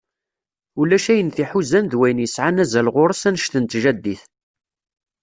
Ulac ayen t-iḥuzan d wayen yesεan azal γuṛ-s annect n tjaddit.